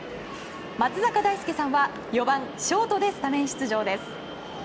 松坂大輔さんは４番ショートでスタメン出場です。